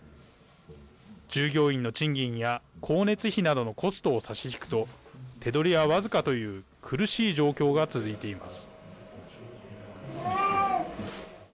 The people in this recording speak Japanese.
従業員の賃金や光熱費などのコストを差し引くと手取りは僅かという苦しい状況が続いています。